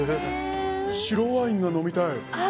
白ワインが飲みたい。